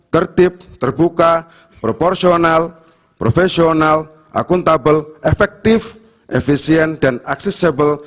tertib terbuka proporsional profesional akuntabel efektif efisien dan accessible